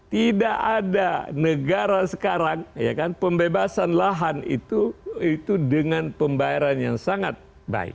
tidak ada negara sekarang pembebasan lahan itu dengan pembayaran yang sangat baik